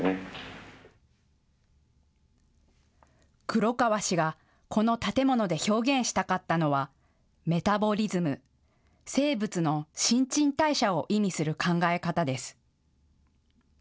黒川氏がこの建物で表現したかったのはメタボリズム・生物の新陳代謝を意味する考え方です。